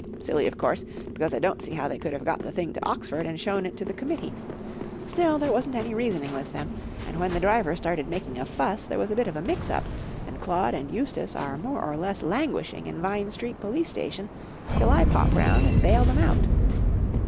Silly, of course, because I don't see how' they could have got the thing to Oxford and showm it to the committee. Still, there wasn't any reasoning with them, and, ^vhen the driver started making a fuss, there was a bit of a mix up, and Claude and Eustace are more or less languishing in Vine Street police station till I pop round and bail them out.